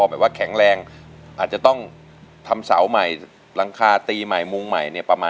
แล้วเราหาตังค์ได้รบด้วยนี่ปั๊บใช้ได้คะ